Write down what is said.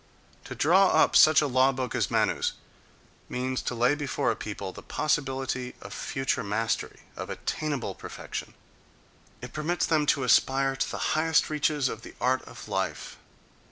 To draw up such a law book as Manu's means to lay before a people the possibility of future mastery, of attainable perfection—it permits them to aspire to the highest reaches of the art of life.